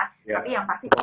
tapi yang pasti